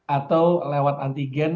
atau lewat antigen